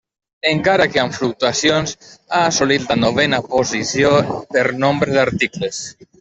Encara que amb fluctuacions, ha assolit la novena posició per nombre d'articles.